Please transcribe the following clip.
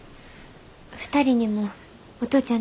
☎２人にもお父ちゃん